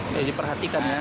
jadi diperhatikan ya